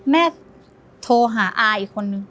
แม่โทรหาอาอีกคนนึง